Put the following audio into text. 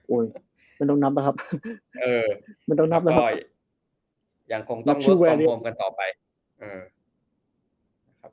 โอ้ยมันต้องนับนะครับมันต้องนับนะครับยังคงต้องกันต่อไปอืม